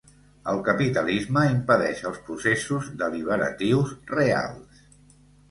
El capitalisme impedeix els processos deliberatius reals.